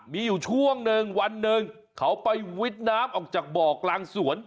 มีอยู่ช่วงหนึ่งวันหนึ่งเขาไปวิทย์น้ำออกจากบ่อกลางสวน